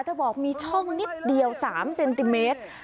บอกมีช่องนิดเดียว๓เซนติเมตร